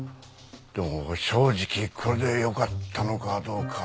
でも正直これでよかったのかどうか。